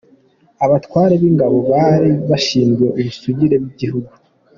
Abatware b’ingabo :Bari bashinzwe ubusugire bw’igihugu.